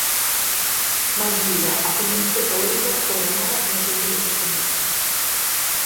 Máis Liga, afúndense o Éibar, o Granada non deixa de sorprender.